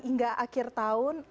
hingga akhir tahun